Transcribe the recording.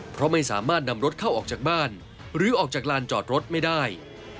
เพราะไม่สามารถนำรถเข้าออกจากบ้านหรือออกจากลานจอดรถไม่ได้